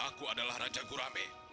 saya adalah raja gurameh